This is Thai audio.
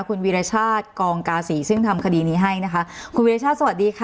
คุณวีรชาติกองกาศีซึ่งทำคดีนี้ให้นะคะคุณวิรชาติสวัสดีค่ะ